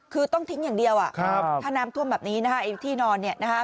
คือต้องทิ้งอย่างเดียวถ้าน้ำท่วมแบบนี้นะครับที่นอน